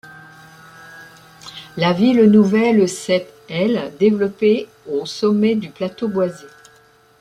La ville nouvelle s'est, elle, développée au sommet du plateau boisé.